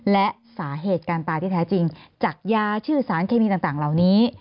และสาเหตุการตายที่แท้จริงจากยาชื่อสารเคมีต่างเหล่านี้